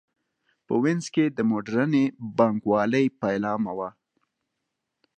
په وینز کې د موډرنې بانک والۍ پیلامه وه.